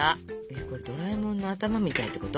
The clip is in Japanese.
これドラえもんの頭みたいってこと？